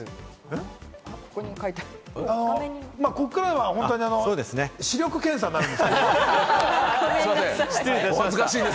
ここからは本当に視力検査なんですけれども。